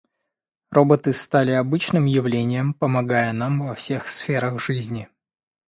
Роботы стали обычным явлением, помогая нам во всех сферах жизни.